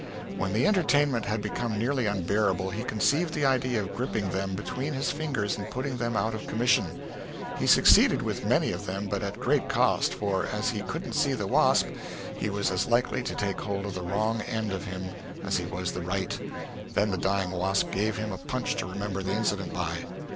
When the entertainment had become nearly unbearable, he conceived the idea of gripping them between his fingers and putting them out of commission. He succeeded with many of them, but at great cost, for, as he couldn't see the wasp, he was as likely to take hold of the wrong end of him as he was the right; then the dying wasp gave him a punch to remember the incident by.